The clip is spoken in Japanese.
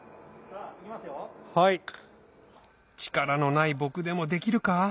力のない僕でもできるか？